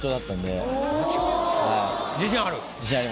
自信ある？